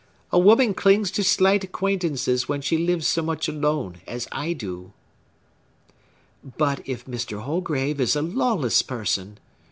A woman clings to slight acquaintances when she lives so much alone as I do." "But if Mr. Holgrave is a lawless person!"